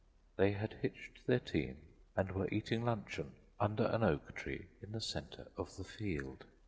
They had hitched their team and were eating luncheon under an oak tree in the center of the field.